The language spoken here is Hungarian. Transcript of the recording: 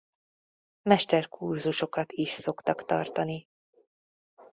Mesterkurzusokat is szoktak tartani.